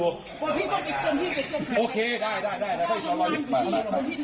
โอเคได้พระอาทิตย์สวนรออยู่ข้างนอก